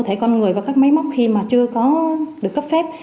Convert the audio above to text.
cơ thể con người và các máy móc khi mà chưa có được cấp phép